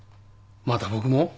また僕も？